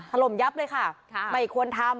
ถล่มยับเลยค่ะไม่ควรทำ